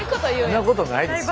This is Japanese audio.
そんなことないですよ。